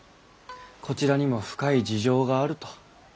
「こちらにも深い事情がある」と。